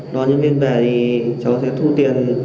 đón nhân viên về thì cháu sẽ thu tiền